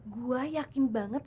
gue yakin banget